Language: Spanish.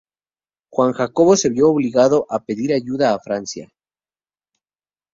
Juan Jacobo se vio obligado a pedir ayuda a Francia.